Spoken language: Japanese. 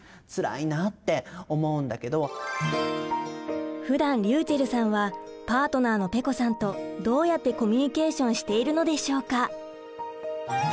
やっぱりふだんりゅうちぇるさんはパートナーのぺこさんとどうやってコミュニケーションしているのでしょうか？